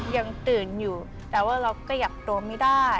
ยังตื่นอยู่แต่ว่าเราขยับตัวไม่ได้